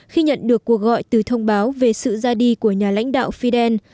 khi nhận được cuộc gọi từ thông báo về sự ra đi của nhà lãnh đạo fidel